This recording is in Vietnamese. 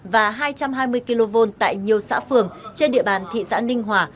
và hai trăm hai mươi kv tại nhiều xã phường trên địa bàn thị xã ninh hòa